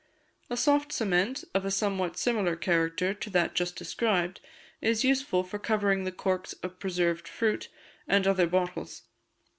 A soft cement, of a somewhat similar character to that just described, is useful for covering the corks of preserved fruit, and other bottles.